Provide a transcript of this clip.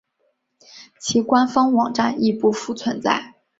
其官方网站亦不复存在。